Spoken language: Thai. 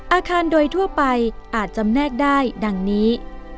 อาคารโดยทั่วไปอาจจำแนกได้ดังนี้